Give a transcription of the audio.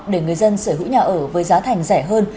để người dân sở hữu nhà ở với giá thành rẻ hơn